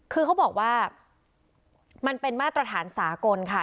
คือเขาบอกว่ามันเป็นมาตรฐานสากลค่ะ